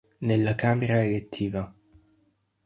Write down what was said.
Nella Camera elettiva.